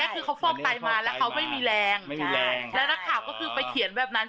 คือเขาฟอกไตมาแล้วเขาไม่มีแรงแล้วนักข่าวก็คือไปเขียนแบบนั้น